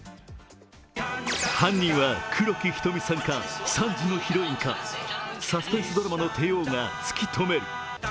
犯人は黒木瞳さんか、３時のヒロインかサスペンスドラマの帝王が突きとめる。